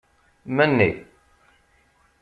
Menni.